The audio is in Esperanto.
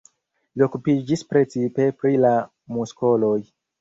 Li okupiĝis precipe pri la muskoloj.